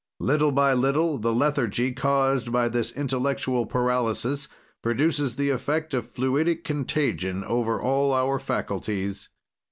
"Little by little the lethargy caused by this intellectual paralysis produces the effect of fluidic contagion over all our faculties.